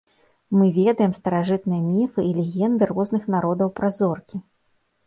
Мы ведаем старажытныя міфы і легенды розных народаў пра зоркі.